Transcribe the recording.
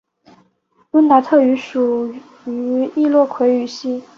温达特语属于易洛魁语系。